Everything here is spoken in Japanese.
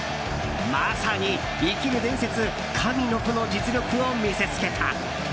まさに生きる伝説神の子の実力を見せつけた。